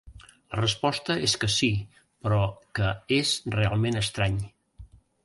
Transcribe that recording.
La resposta és que sí però que és realment estrany.